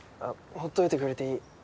ほっといてくれていい。